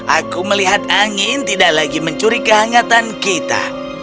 aku melihat angin tidak lagi mencuri kehangatan kita